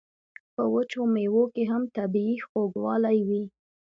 په وچو میوو کې هم طبیعي خوږوالی وي.